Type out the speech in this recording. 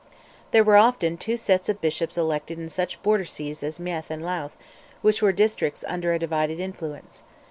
There were often two sets of Bishops elected in such border sees as Meath and Louth, which were districts under a divided influence.